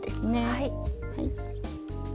はい。